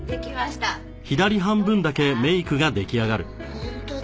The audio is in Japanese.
本当だ。